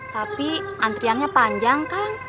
tapi antriannya panjang kan